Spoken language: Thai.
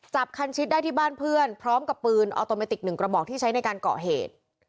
คันชิดได้ที่บ้านเพื่อนพร้อมกับปืนออโตเมติก๑กระบอกที่ใช้ในการก่อเหตุ